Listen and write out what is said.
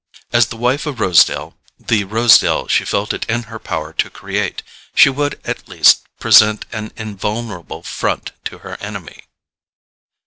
As the wife of Rosedale—the Rosedale she felt it in her power to create—she would at least present an invulnerable front to her enemy.